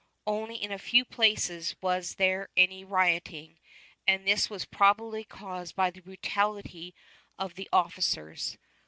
Only in a few places was there any rioting, and this was probably caused by the brutality of the officers.